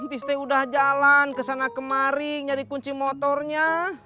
ntis teh udah jalan kesana kemari nyari kunci motornya